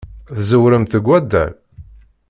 Tẓewremt deg waddal?